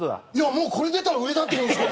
もうこれ出たら売れたってことでしょ。